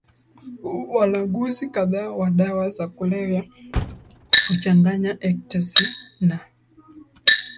walanguzi kadhaa wa dawa za kulevya huchanganya ecstasy na